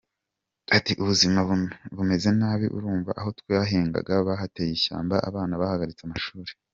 Ati “Ubuzima bumeze nabi, urumva aho twahingaga bahateye ishyamba, abana bahagaritse amashuri.